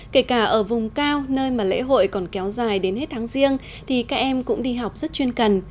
kể cả ở vùng cao nơi mà lễ hội còn kéo dài đến hết tháng riêng thì các em cũng đi học rất chuyên cần